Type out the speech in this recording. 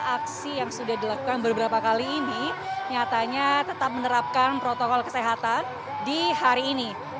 aksi yang sudah dilakukan beberapa kali ini nyatanya tetap menerapkan protokol kesehatan di hari ini